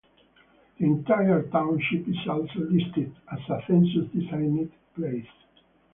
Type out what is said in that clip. The entire township is also listed as a census-designated place.